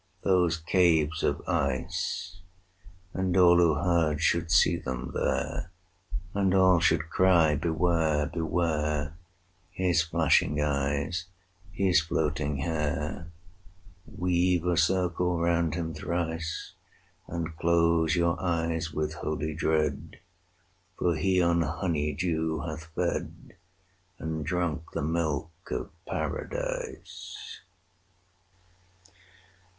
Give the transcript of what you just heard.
those caves of ice![298:2] And all who heard should see them there, And all should cry, Beware! Beware! His flashing eyes, his floating hair! Weave a circle round him thrice, And close your eyes with holy dread, For he on honey dew hath fed, And drunk the milk of Paradise.